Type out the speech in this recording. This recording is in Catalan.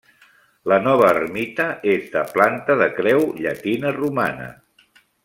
La nova ermita és de planta de creu llatina romana.